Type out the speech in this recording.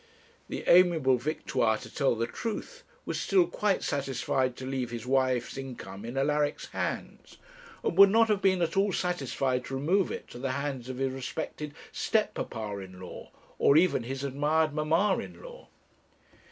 The amiable Victoire, to tell the truth, was still quite satisfied to leave his wife's income in Alaric's hands, and would not have been at all satisfied to remove it to the hands of his respected step papa in law, or even his admired mamma in law.